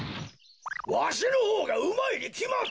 わしのほうがうまいにきまっとる！